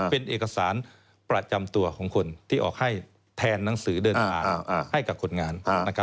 เป็นเอกสารประจำตัวของคนที่ออกให้แทนหนังสือเดินทางให้กับคนงาน